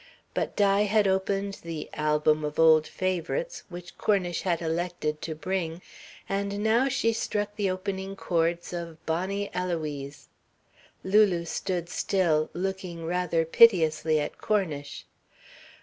But Di had opened the "Album of Old Favourites," which Cornish had elected to bring, and now she struck the opening chords of "Bonny Eloise." Lulu stood still, looking rather piteously at Cornish.